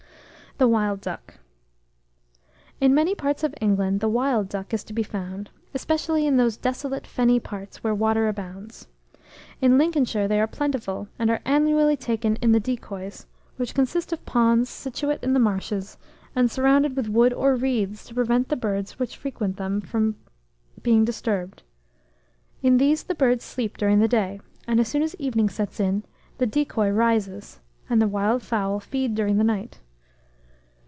THE WILD DUCK. In many parts of England the wild duck is to be found, especially in those desolate fenny parts where water abounds. In Lincolnshire they are plentiful, and are annually taken in the decoys, which consist of ponds situate in the marshes, and surrounded with wood or reeds to prevent the birds which frequent them from, being disturbed. In these the birds sleep during the day; and as soon as evening sets in, the decoy rises, and the wild fowl feed during the night.